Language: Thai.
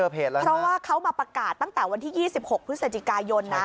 เพราะว่าเขามาประกาศตั้งแต่วันที่๒๖พฤศจิกายนนะ